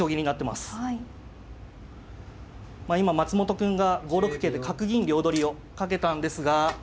まあ今松本くんが５六桂で角銀両取りをかけたんですが。